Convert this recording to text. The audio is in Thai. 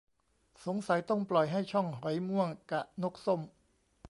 สงสัยต้องปล่อยให้ ช่อง หอยม่วง กะ นกส้ม